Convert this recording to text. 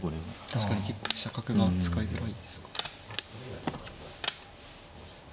確かに結構飛車角が使いづらいですか。